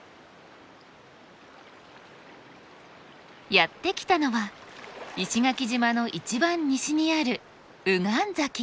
やって来たのは石垣島の一番西にある御神崎。